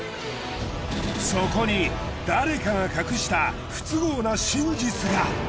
そこに誰かが隠した不都合な真実が。